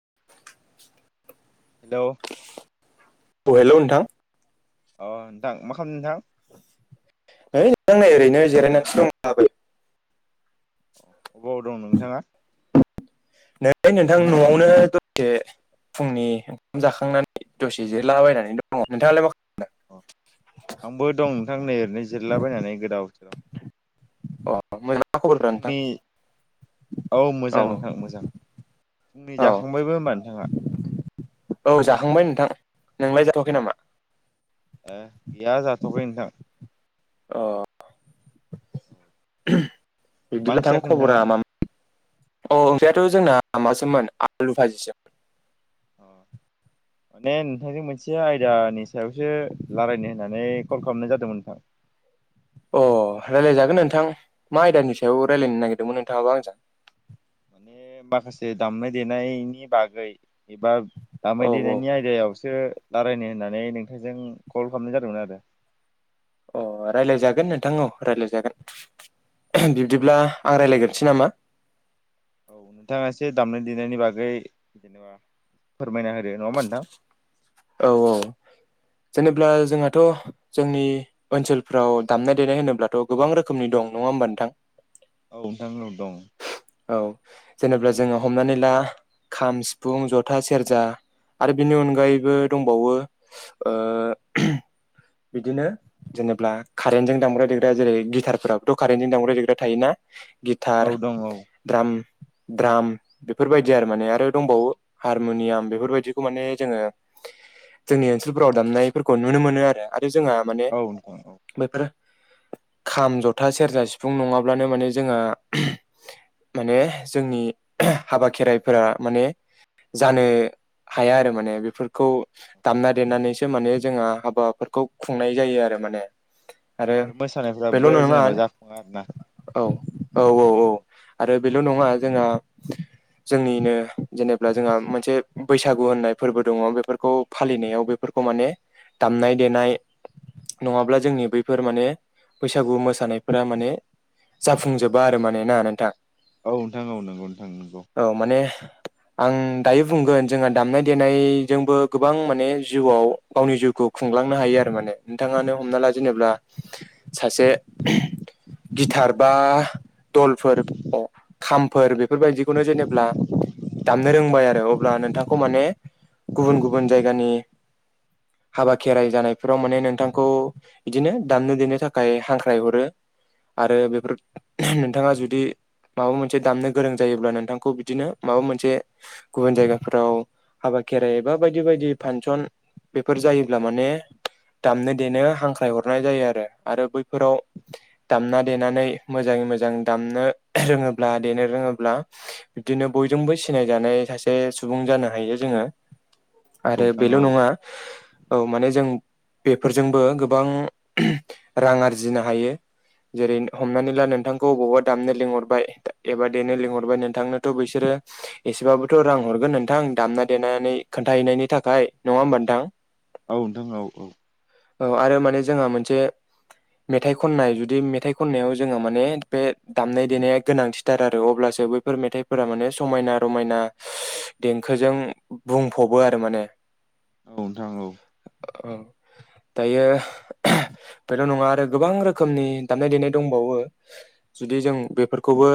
[inaudible] हेल' औ हेल' नोंथां। अ नोंथां मा खामदों नोंथां? है नोंथां ओरैनो जिरायनासो दंलाबायो। अबाव दं नोंथाङा? नै नोंथां न'आवनो दसे फुंनि ओंखाम जाखांनानै दसे जिरलाबायनानै दङ नोंथाङालाय मा खालाम? आंबो दं नोंथां नै ओरैनो जिरलाबायनानै गोदाव सोराव। अ मोजांना मा खबरफ्रा नोंथां? फुंनि औ मोजां नोंथां मोजां। फुंनि औ जाखांबायबो ओमबा नोंथाङा? औ जाखांबाय नोंथां नोंलाय जाथ'याखै नामा? ए गैया जाथ'याखै नोंथां। अ मा बिबदिला ओंख्रि थां जाखो खबरा नोंथाङा? मामोन? अ ओंख्रायाथ' जोंना मासोमोन आलु फाजिसो। अ माने नोंथांजों मोनसे आयदानि सायावसो रालायनो होननानै कल खालामनाय जादोंमोन नोंथां। [inaudible] अ रायलायजागोन नोंथां मा आयदानि सायाव रायलायनो नागिरदोंमोन नोंथाङाबा आंजों? बे माखासे दामनाय देनायनि बागै एबा औ दामनाय देनायनि औ आयदायावसो रायलायनो होननानै नोंथांजों कल खालामनाय जादोंमोन आरो अ रायलायजागोन नोंथां औ रायलायजागोन बि बिदिब्ला आं होमबा रायलायग्रोनोसै नामा औ नोंथाङा एसे दामनाय देनायनि बागै जेनेबा फोरमायना होदो नङा होमबा नोंथां? औ औ औ जेनेब्ला नोंथां। जोंहाथ' जोंनि ओनसोलफ्राव दामनाय देनाय होनोब्लाथ' गोबां रोखोमनि दं नङा होमबा नोंथां औ नोंथां औ दं औ जेनेबा जोङो हमनानै ला खाम सिफुं जथा सेरजा आरो बिनि अनगायैबो दंबावो ओ बिदिनो जेनेबा कारेन्टजों दामब्राय देग्रा जेरै गिटारफोराबोथ' कारेन्टजों दामग्रा देग्रा थायोना। औ गिथार दं औ द्राम द्राम बेफोरबायदि आरो माने आरो दंबावो हारमुनियाम बेफोरबायदि बिदिखौ माने जोङो जोंनि ओनसोलफोराव दामनायफोरखौ नुनो मोनो आरो आ जोंहा माने औ नोंथां औ। बेैफोरो खाम जथा सेरजा सिफुं नङाब्लानो माने जोंहा माने जोंनि हाबा खेराइफोरा माने जानो। हाया आरो माने बेफोरखौ दामना देनानैसो माने जोंहा हाबाफोरखौ खुंनाय जायो आरो माने औ आरो मोसानायफ्राबो बेल' नङा जेनेबा जाफुङा आरो ना औ औ औ औ आरो बेल' नङा जोंहा जोंनिनो जेनेब्ला जोंहा मोनसे बैसागु होननाय फोरबो दङ बेफोरखौ फालिनायाव बेफोरखौ माने दामनाय देनाय। नङाब्ला जोंनि बैफोर माने बैसागु मोसानायफोरा माने जाफुंजोबा आरो माने ना नोंथां औ नोंथां औ नंगौ नोंथां नंगौ औ माने आं दायो बुंगोन जोंहा दामनाय देनायजोंबो गोबां माने जिउआव गावनि जिउखौ खुंलांनो हायो आरो माने नोंथाङानो हमना ला औ जेनेबा सासे गिथार बा दलफोर खामफोर बेफोरबायदिखौनो जेनेबा दामनो रोंबाय आरो अ ब्ला नोंथांखौ माने गुबुन गुबुन जायगानि [inaudible] हाबा खेराइ जानायफोराव माने नोंथांखौ बिदिनो दामनो देनो थाखाय हांख्राय हरो। आरो बेफोर नोंथाङा जुदि माबा मोनसे दामनो गोरों जायोब्ला नोंथांखौ बिदिनो माबा मोनसे गुबुन जायगाफोराव हाबा खेराइ बा बायदि बायदि फांसन बेफोर जायोब्ला माने दामनो देनो हांख्रायहरनाय जायो आरो आरो बैफोराव दामना देनानै मोजां मोजां दामनो रोङोब्ला देनो रोङोब्ला बिनो बयजों सिनाय जानाय सा से सुबुं जानो हायो जोङो औ आरो नोंथां बेल' औ नङा औ माने जों बेफोरजोंबो गोबां रां आरजिनो हायो। जेरै हमनानै ला नोंथांखौ बबावबा दामनो लिंहरबाय एबा देनो लिंहरबाय नोंथांनोथ' बिसोरो एसेबाबो थ' रां हरगोन नोंथां दामना देनानै खोन्थाहैनायनि थाखाय नङा होमबा नोंथां। औ नोंथां औ औ औ आरो माने जोंहा मोनसे मेथाइ खननाय जुदि मेथाइ खननायाव जोंहा माने बे दामनाय देनाया गोनांथिथार आरो अब्ला सो बैफोर मेथाइफोरा माने समायना रमायना देंखोजों बुंफबो आरो माने औ नोंथां औ औ दायो बेल' नङा आरो गोबां रोखोमनि दामनाय देनाय दंबाव बो जुदि जों बेफोरखौबो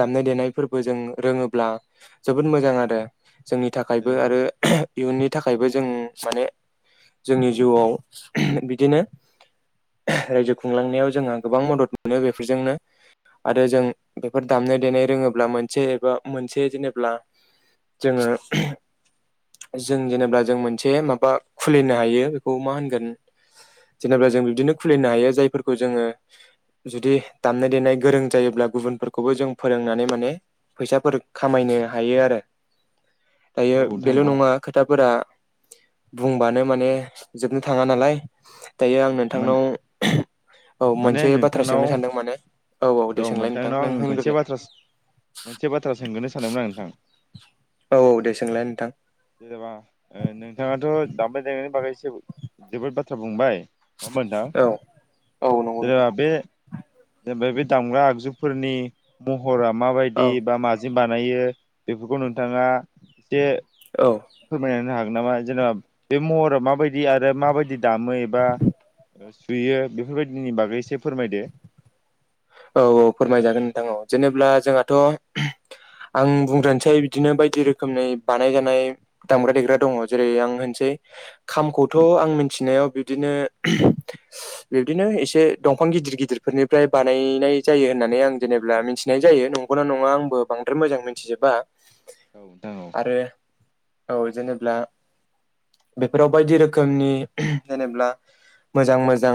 दामनाय देनाय फोरबो जों रोङोब्ला जोबोद मोजां आरो जोंनि थाखायबो जेनेबा आरो इयुननि थाखायबो जों माने जोंनि जिउआव बिदिनो रायजो खुंलांनायाव जोंहा गोबां मदद मोनो बेफोरजोंनो आरो जों बेफोर दामनाय देनाय रोङोब्ला मोनसे एबा मोनसे जेनेब ब्ला जोङो जों जेनेबा जों मोनसे माबा खुलिनो हायो बेखौ मा होनगोन जेनेबा जों बिदिनो खुलिनो हायो जायफोरखौ जोङो जुदि दामनाय देनाय गोरों जायोब्ला गुबुनफोरखौबो जों फोरोंनानै माने फैसाफोर खामायनो हायो आरो दायो औ नोंथां बेल' औ नङा खोथाफोरा बुंबानो माने जोबनो थाङा नालाय। दायो आं माने नोंथांनाव औ माने मोनसे बाथ्रा नोंथांनाव सोंनो सानदों माने औ औ दे र' सोंलाय नोंथां नोंथांनाव नों आं मोनसे होनग्रोलाय बाथ्रा मोनसे बाथ्रा सोंगोनो सानदोंमोन आं नोंथां। औ औ दे सोंलाय नोंथां। दामबाय देनायनि बागै एसे जोबोद बाथ्रा बुंबाय नङा होमबा नोंथां औ औ नंगौ नोंथां जेनेबा बे जेनेबा बे दामग्रा आगजुफोरनि महरा मा औ बायदि बा मा जों बानायो बेफोरखौ नोंथाङा एसे औ फोरमायना होनो हागोन नामा जेनेबा बे महरा माबादि आरो माबादि दामो एबा सुयो बेफोरबायदिनि बागै एसे फोरमायदो। औ औ फोरमाय जागोन नोंथां औ जेनेब्ला जोंहाथ' आं बुंग्रानोसै बिदिनो बायदि रोखोमनि बानाय जानाय दामग्रा देग्रा दङ जेरै आं होनसै खामखौथ' आं मिथिनायाव बिदिनो बिबदिनो एसे दंफां गिदिर गिदिरफोरनिफ्राय बार बानायनाय जायो होननानै आं जेनेबा मिथिनाय जायो नंगौना नङा आंबो बांद्राय मोजां मोनथिजोबा। [unintelligible] औ आरो औ जेनेब्ला बेफोराव बायदि रोखोमनि जेनेबा मोजां मोजां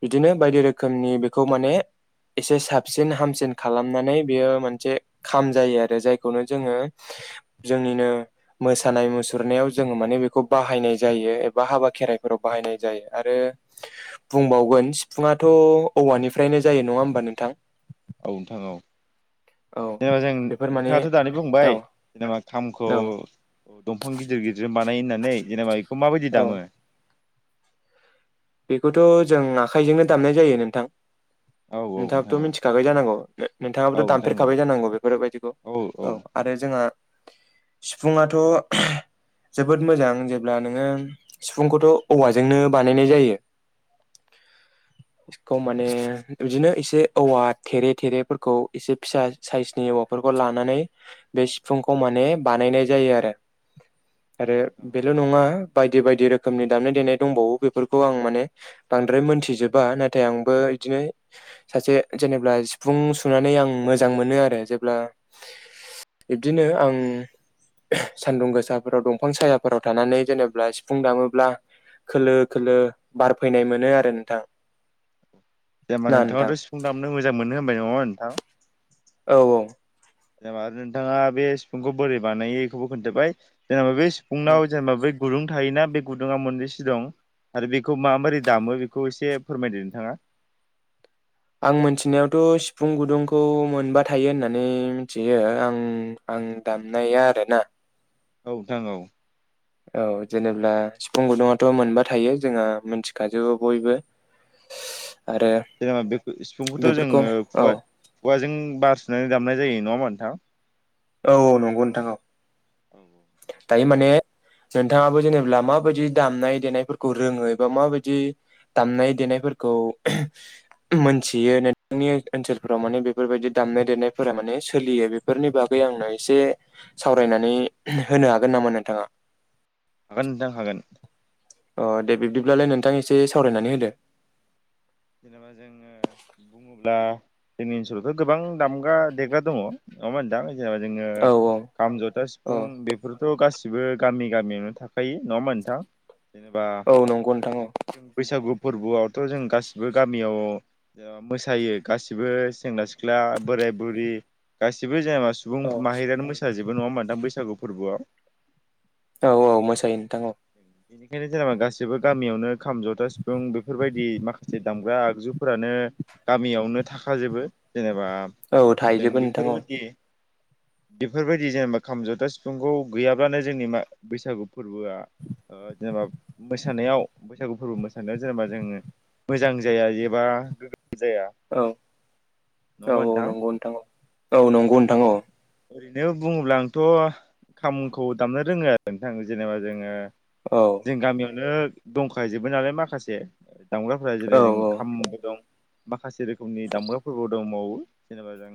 बिदिनो बायदि रोखोमनि बेखौ माने एसे साबसिन हामसिन खालामनानै बेयो मोनसे खाम जायो आरो जायखौनो जोङो जोंनिनो मोसानाय मुसुरनायाव जोङो माने बेखौ बाहायनाय जायो एबा हाबा खेराइ फोराव बाहायनाय जायो आरो बुंबावगोन सिफुुंआथ' औवानिफ्रायनो जायो नङा होमबा नोंथां? औ नोंथां औ औ जेनेबा जों बेफोर माने नोंथाङाथ' दानि औ बुंबाय जेनेबा खामखौ औ दंफां गिदिर गिदिरजों बानायो होननानै जेनेबा बेखौ माबायदि औ दामो? बेखौथ' जों आखाइजोंनो दामनाय जायो नोंथां। औ औ नोंथां नोंथाङाबोथ' औ मिथिखागाय जानांगौ औ नोंथाङाबोथ' नोंथां औ दामफेरखाबाय जानांगौ बेफोरबायदिखौ। औ आरो जोंहा सिफुङाथ' जोबोद मोजां जेब्ला नोङो सिफुंखौथ' औवाजोंनो बानायनाय जायो। [unintelligible] बेखौ माने बिदिनो एसे औवा थेरे थेरेफोरखौ एसे फिसा साइजनि औवाफोर लानानै बे सिफुंखौ माने बानायनाय जायो आरो। आरो नोंथां औ बेल' नङा बायदि बायदि रोखोमनि दामनाय देनाय दंबावो बेफोरखौ आं माने बांद्राय मोनथिजोबा नाथाय आंबो इदिनो सासे जेनेब्ला सिफुं सुनानै आं मोजां मोनो आरो जेब्ला बिब्दिनो आं सान्दुं गोसाफोराव दंफां सायाफोराव थानानै जेनेबा सिफुं दामोब्ला खोलो खोलो बारफैनाय मोनो आरो नोंथां। जेनेबा ना नोंथां नोंथांआथ' सिफुं दामनो मोजां मोनो होनबाय नङा होनबा नोंथां? औ औ। जेनेबा आरो नोंथाङा बे सिफुंखौ बोरै बानायो इखौबो खोन्थाबाय जेनेबा बे उम सिफुंनाव जेनेबा बै गुदुं थायोना बे गुदुङा मोननैसो दं आरो बेखौ माबोरै दामो बेखौ एसे फोरमायदो नोंथाङा आं मिथिनायावथ' सिफुं गुदुंखौ मोनबा थायो होननानै मिथियो आं आं दामनायया आरोना [unintelligible] औ नोंथां औ [unintelligible] औ जेनेब्ला सिफुं गुदुथ' मोनबा थायो जोंहा मिथिखाजोबो बयबो [unintelligible] आरो जेनेबा बे सिफुंखौथ' बेफोरखौ जोङोु औ खुवाजों बार सुनानै दामनाय [inaudible] जायो नङ मोनथां [unintelligible] औ नंगौ नोंथां औ दायो माने [inaudible] नोंथाङाबो जेनेा माबायदि दामनाय देनायफोरखौ रोङो एबा माबायदि दामनाय देनाय [inaudible] मोनथि नोंथनि ओनसोलफोराव माने बेफोरबायदि दामनाय देनायफोरााव [unintelligible] माने सोलियो बेफोरनि बाग [inaudible] आंनो एसे सावरायनानै होनो हागोन नामा नोंथाङा हागोन नोंथां हागोन अ दे बिब्दिब्लालाय नोंथां एसे सावरायनानै होदो जेनेबा जोङो बुङोब्ला जोंनि ओनसोलावथ' गोबां दामग्रा देग्रा दङ [unintelligible] ना होनदां जेनेबा जोङो औ खाम जथा औ सिफुं बेफोरथ' गासिबो [unintelligible] गासिबो गामि गामियावनो थाखायो नङा मोनथां जेनेबा औ नंगौ नोंथां औ जों बैसागु [inaudible] फोरबोआवथ' जों गासैबो [inaudible] गबो गामियाव मोसायो गासिबो सेंग्रा सिख्ला बोराय बुरि [unintelligible] गासैबो जाया सुबुं औ माहारियानो मोसाजोबो नङामोन दां बैसागु फोरबोआव औ औ मोसायो नोंथां औ बेनिखायनो जेनेबा गासैबो गामियावनो खाम जथा सिफुं बेफोर गामियावनो थाखाजोबो जेनेबा औ जों थाइजोबो नोंथां औ बेफोरबायदि बेफोरबायदि जेनेबा खाम जथा सिफुंखौ गैयाब्लानो जोंनि मा बैसागु फोरबोआ ओ जेनेबा मोसानायाव बैसागु फोरबो मोसानायाव जेनेबा जोङो मोजां जाया एबा गोग्गो जाया औ नङा औ होमबा औ नंगौ नोंथां औ नंगौ नोंथां औ ओरैनो बुङोब्ला आंथ' खामखौ दामनो रोङो आरो नोंथां जेनेबा जोङो औ जों गामियावनो दंखा जोबो नालाय माखासे दामग्राफ्रा जेरै औ जों खामबो दं माखासे रोखोमनि दामग्राफोरबो दंबावो जेनेबा जों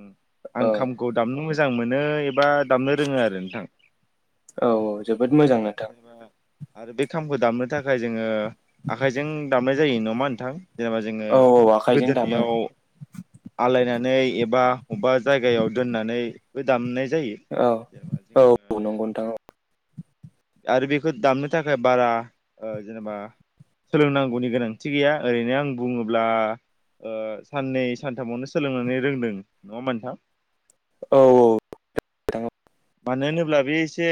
आं औ खाम नो मोजां मोनो एबा दामनो रोङो आरो नोंथां औ औ जोबोद मोजां नोंथां जेनेबा आरो बे खामखौ दामनो थाखाय जोङो आखाइजों दामनाय जायो ना मा नोंथां जेनेबा जोङो औ औ आखाइजों दामो गोदोनियाव आलायनानै एबा अब्बा जायगायाव दोननानै बो दामनाय जायो औ जेनेबा औ जोङो नंगौ नोंथां औ आरो बेखौ दामनो थाखाय बारा ओ जेनेबा सोलोंनांगौनि गोनांथि गैया ओरैनो आं बुङोब्ला ओ साननै सानथामावनो सोलोंनानै रोंदों नङा होमबा नोंथां औ औ [unintelligible] मानो होनोब्ला बे एसे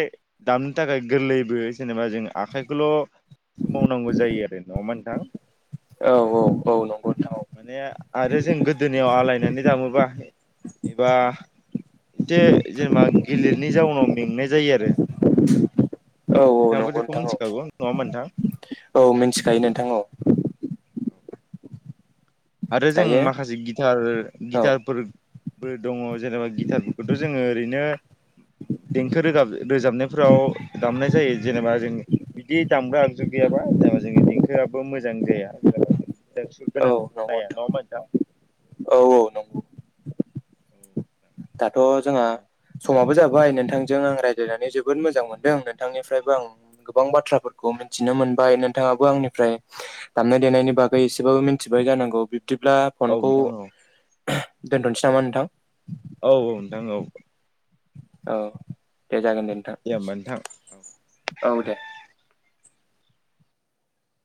दामनो थाखाय गोरलैबो जेनेबा जों आखाइखौल' सोमावनांगौ जायो आरो नङामा नोंथां औ औ औ नंगौ नोंथां माने आरो जों गोदोनियाव आलायनानै दामोबा एबा एसे जेनेबा गेलिरनि जाउनाव मेंनाय जायो आरो नोंथां औ औ नोंथाङाबो नंगौ बेखौ नोंथां मिथिखागौ नङा होमबा नोंथां औ औ मिथिखायो नोंथां औ आरो जों दायो माखासे गिथार औ गिटारफोर बो दङ जेनेबा गिटारफोरखौथ' जोङो ओरैनो देंखो रोजाब रोजाबनायफोराव दामनाय जायो जेनेबा जों बिदि दामग्रा आगजु गैयाबा जेनेबा जोंनि देंखोआबो मोजां जाया जेनेबा जों सुर औ गोनां नंगौ खोनाया नङा होमबा नोंथां औ औ नंगौ औ नोंथां दाथ' जोंहा समाबो जाबाय बाय नोंथांजों आं रायज्लायनानै जोबोद मोजां मोनदों नोंथांनिफ्रायबो आं गोबां बाथ्राफोरखौ मिथिनो मोन बाय नोंथाङाबो आंनिफ्राय दामनाय देनायनि बागै एसेबाबो मिथिबाय जानांगौ बिदिब्ला औ फनखौ नोंथां औ दोनथ'सै नामा नोंथां औ औ नोंथां औ औ दे जागोन औ दे होमबा औ नोंथां औ दे